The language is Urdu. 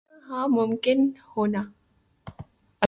جینا ہاں ممکن ہونا